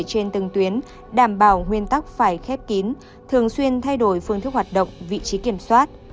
trên từng tuyến đảm bảo nguyên tắc phải khép kín thường xuyên thay đổi phương thức hoạt động vị trí kiểm soát